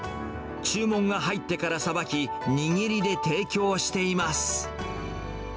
注文が入ってからさばき、握りで提供しています。